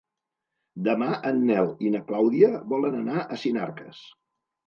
Demà en Nel i na Clàudia volen anar a Sinarques.